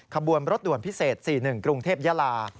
ขบวนรถด่วนพิเศษ๔๑กรุงเทพยาลา